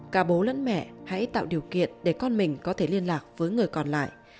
cả bố lẫn mẹ hãy tạo điều kiện để con mình có thể liên lạc với người còn lại